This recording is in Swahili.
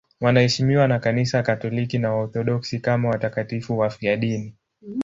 Wanaheshimiwa na Kanisa Katoliki na Waorthodoksi kama watakatifu wafiadini.